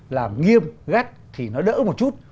làm nghiêm gắt thì nó đỡ một chút